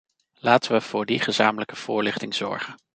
Laten we voor die gezamenlijke voorlichting zorgen.